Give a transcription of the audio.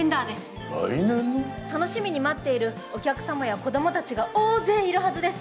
楽しみに待っているお客様や子どもたちが大勢いるはずです。